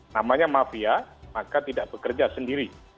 namanya mafia maka tidak bekerja sendiri